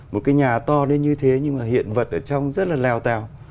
một cái nhà to đến như thế nhưng mà hiện vật ở trong rất là leo teo